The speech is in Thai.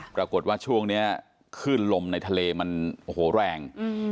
ปรากฏว่าช่วงนี้ขึ้นลมในทะเลมันแรง